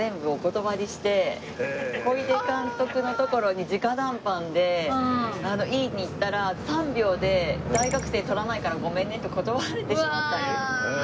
小出監督のところに直談判で言いにいったら３秒で「大学生とらないからごめんね」って断られてしまったんですね。